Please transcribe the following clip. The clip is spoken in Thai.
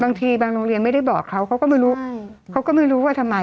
บางทีบางโรงเรียนไม่ได้บอกเขาเขาก็ไม่รู้ว่าทำไม